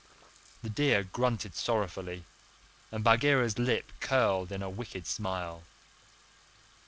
The deer grunted sorrowfully and Bagheera's lips curled in a wicked smile.